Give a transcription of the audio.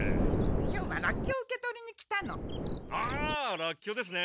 今日はラッキョを受け取りに来たの。ああラッキョですね。